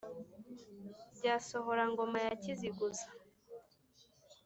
bya sohora-ngoma ya kiziguza